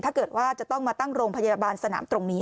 ถ้าเกิดว่าจะต้องมาตั้งโรงพยาบาลสนามตรงนี้